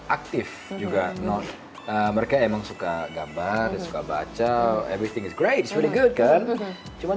aktif juga mereka emang suka gambar suka baca everything is great it's really good kan cuman